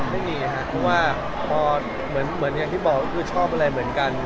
เพราะว่าเหมือนอย่างที่บอกชอบอะไรเหมือนกัน